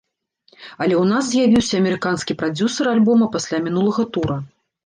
Але ў нас з'явіўся амерыканскі прадзюсар альбома пасля мінулага тура.